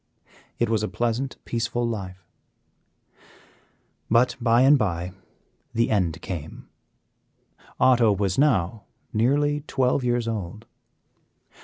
It was a pleasant, peaceful life, but by and by the end came. Otto was now nearly twelve years old.